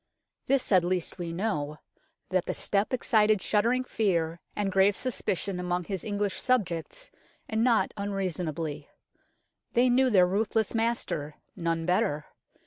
This at least we know, that the step excited shuddering fear and grave suspicion among his English subjects, and not unreasonably. They knew their ruthless master none better.